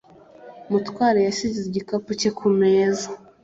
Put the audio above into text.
Mutwale yashyize igikapu cye kumeza.